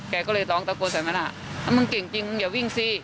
แกก็เลยร้องตะโกนใส่มานะถ้ามึงเก่งจริงมึงอย่าวิ่งสิ